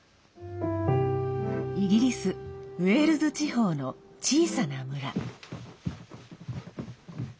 イギリスウェールズ地方の小さな村。